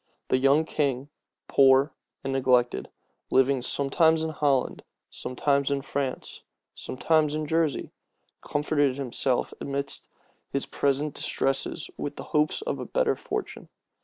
The young king, poor and neglected, living sometimes in Holland, sometimes in France, sometimes in Jersey, comforted himself amidst his present distresses with the hopes of better fortune.